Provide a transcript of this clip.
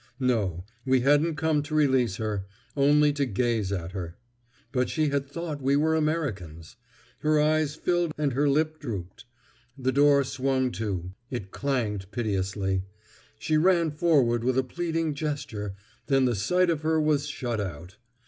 No, we hadn't come to release her—only to gaze at her. But she had thought we were Americans! Her eyes filled and her lip drooped. The door swung to; it clanged pitilessly. She ran forward with a pleading gesture; then the sight of her was shut out.